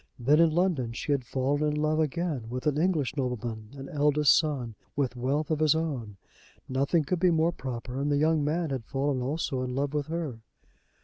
Then in London she had fallen in love again with an English nobleman, an eldest son, with wealth of his own. Nothing could be more proper, and the young man had fallen also in love with her.